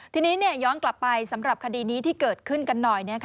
ทีนี้ย้อนกลับไปสำหรับคดีนี้ที่เกิดขึ้นกันหน่อย